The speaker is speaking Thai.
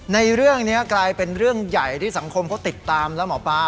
ในเรื่องนี้กลายเป็นเรื่องใหญ่ที่สังคมเขาติดตามแล้วหมอปลา